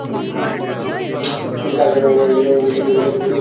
তিনি কাজ চালু রাখেন এবং জেরুজালেমে বিশ্ব মুসলিম সম্মেলন সংগঠিত করেন।